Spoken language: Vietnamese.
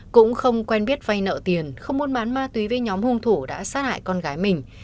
cũng không quen biết vay nợ tiền không muốn bán ma túy với nhóm hung thủ đã sát hại con gái mình